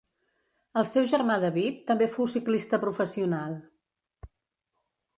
El seu germà David, també fou ciclista professional.